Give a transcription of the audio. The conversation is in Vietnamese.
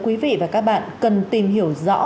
quý vị và các bạn cần tìm hiểu rõ